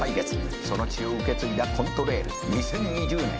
「その血を受け継いだコントレイル」「２０２０年